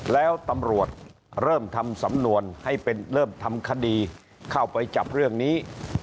แล้วตำรวจเริ่มทำสำนวนให้เป็นเริ่มทำคดีเข้าไปจับเรื่องนี้